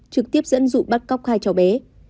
trực tiếp dẫn dụ bắt cóc hai cháu bé